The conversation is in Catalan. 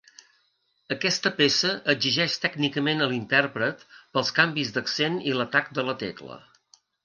Aquesta peça exigeix tècnicament a l'intèrpret pels canvis d'accent i l'atac de la tecla.